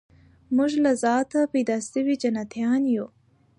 موږ له ذاته پیدا سوي جنتیان یو